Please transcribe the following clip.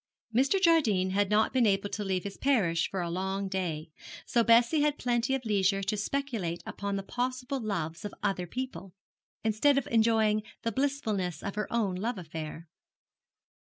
Mr. Jardine had not been able to leave his parish for a long day; so Bessie had plenty of leisure to speculate upon the possible loves of other people, instead of enjoying the blissfulness of her own love affair.